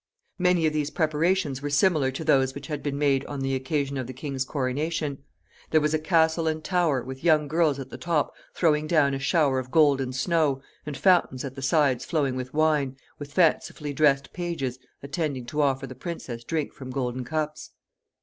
Many of these preparations were similar to those which had been made on the occasion of the king's coronation. There was a castle and tower, with young girls at the top throwing down a shower of golden snow, and fountains at the sides flowing with wine, with fancifully dressed pages attending to offer the princess drink from golden cups.